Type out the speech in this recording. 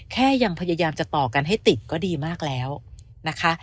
แค่ยังพยายามจะต่อกันให้ติดก็ดีมากแล้วนะคะ